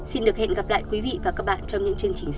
xin được hẹn gặp lại quý vị và các bạn trong những chương trình sau